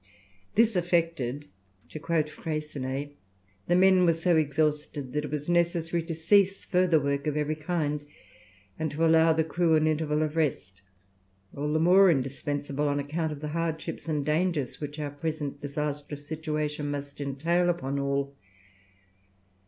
"This effected," to quote Freycinet, "the men were so exhausted that it was necessary to cease further work of every kind, and to allow the crew an interval of rest, all the more indispensable on account of the hardships and dangers which our present disastrous situation must entail upon all.